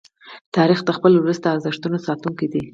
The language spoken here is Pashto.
تاریخ د خپل ولس د ارزښتونو ساتونکی دی.